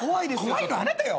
怖いのはあなたよ。